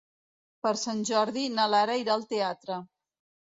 Per Sant Jordi na Lara irà al teatre.